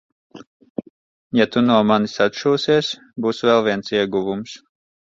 Ja tu no manis atšūsies, būs vēl viens ieguvums.